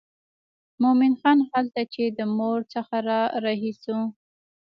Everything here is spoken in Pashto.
مومن خان هلته چې د مور څخه را رهي شو.